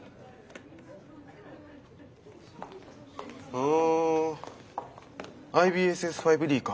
ふんＩＢＳＳ−５Ｄか。